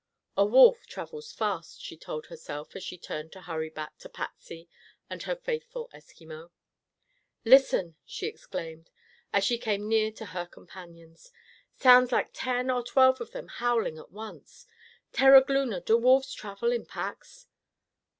"A wolf travels fast," she told herself as she turned to hurry back to Patsy and her faithful Eskimo. "Listen!" she exclaimed, as she came near to her companions. "Sounds like ten or twelve of them howling at once. Terogloona, do wolves travel in packs?"